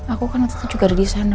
aku kan waktu itu juga ada disana